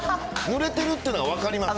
ぬれてるってのが分かります。